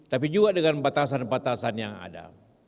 tapi juga dengan batasan batasan yang ada